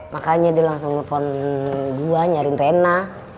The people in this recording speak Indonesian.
makanya dia langsung telepon gua nyariin rena